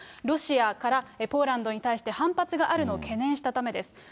ロシアからポーランドに対して、反発があるのを懸念したためです。